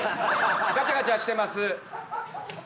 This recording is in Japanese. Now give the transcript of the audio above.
ガチャガチャしてます。